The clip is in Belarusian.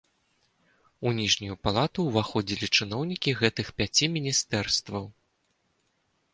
У ніжнюю палату ўваходзілі чыноўнікі гэтых пяці міністэрстваў.